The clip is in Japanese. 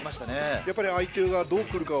やっぱり相手がどうくるかを